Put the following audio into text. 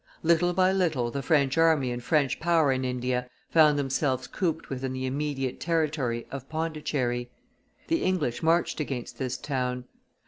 Little by little the French army and French power in India found themselves cooped within the immediate territory of Pondicherry. The English marched against this town.